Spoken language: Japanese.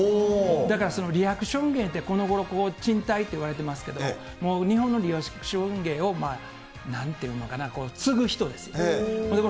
だからそのリアクション芸って、このごろ沈滞っていわれてますけれども、もう日本のリアクション芸をなんていうのかな、継ぐ人ですよ。